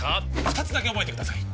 二つだけ覚えてください